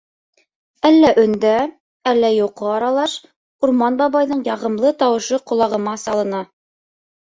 ...Әллә өндә, әллә йоҡо аралаш Урман бабайҙың яғымлы тауышы ҡолағыма салына: